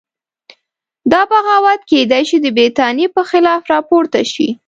دا بغاوت کېدای شي د برتانیې په خلاف راپورته شي.